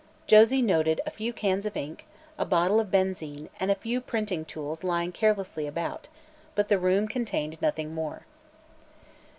Josie noted a few cans of ink, a bottle of benzine, and a few printing tools lying carelessly about, but the room contained nothing more.